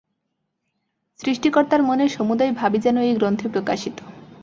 সৃষ্টিকর্তার মনের সমুদয় ভাবই যেন এই গ্রন্থে প্রকাশিত।